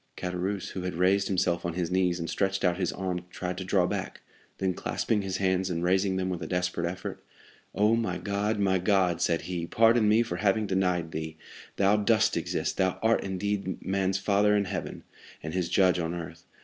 Caderousse, who had raised himself on his knees, and stretched out his arm, tried to draw back, then clasping his hands, and raising them with a desperate effort, "Oh, my God, my God!" said he, "pardon me for having denied thee; thou dost exist, thou art indeed man's father in heaven, and his judge on earth.